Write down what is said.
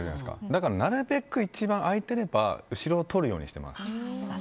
だからなるべく一番空いてれば後ろを取るようにしています。